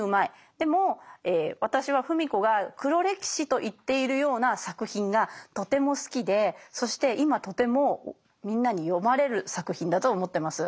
でも私は芙美子が「黒歴史」と言っているような作品がとても好きでそして今とてもみんなに読まれる作品だと思ってます。